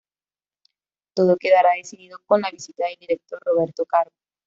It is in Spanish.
Todo quedará decidido con la visita del director, Roberto Carpio.